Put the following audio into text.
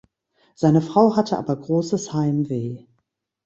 Seine Frau hatte aber großes Heimweh.